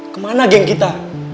kemana geng kita